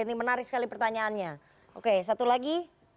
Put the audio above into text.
ini menarik sekali pertanyaannya oke satu lagi